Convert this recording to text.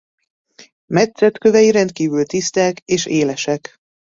Metszett kövei rendkívül tiszták és élesek.